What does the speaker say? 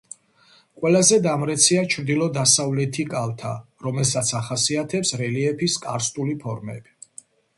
ყველაზე დამრეცია ჩრდილო-დასავლეთი კალთა, რომელსაც ახასიათებს რელიეფის კარსტული ფორმები.